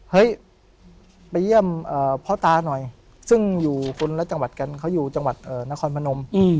เฮ้ยไปเยี่ยมพ่อตาหน่อยซึ่งอยู่คนละจังหวัดกันเขาอยู่จังหวัดนครพนม